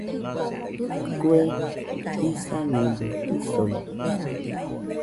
Kue jisañede isoide